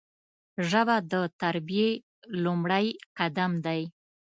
ژبه د تربیې لومړی قدم دی